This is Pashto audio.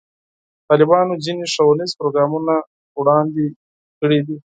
طالبانو ځینې ښوونیز پروګرامونه وړاندې کړي دي.